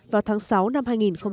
vào tháng sáu năm hai nghìn một mươi sáu